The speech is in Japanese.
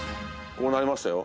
こうなりましたよ。